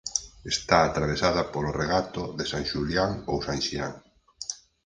Está atravesada polo regato de San Xulián ou San Xián.